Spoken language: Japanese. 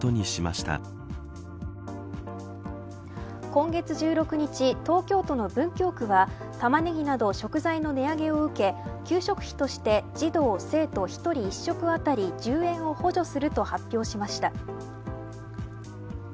今月１６日、東京都の文京区はタマネギなど食材の値上げを受け給食費として児童、生徒１人１食当たり１０円を補助すると発表しました。